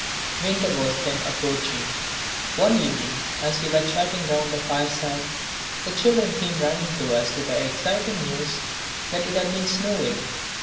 Winter was then approaching. One evening as we were chatting round the fireside, the children came running to us with the exciting news that it had been snowing.